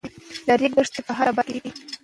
د ریګ دښتې په هره برخه کې دي.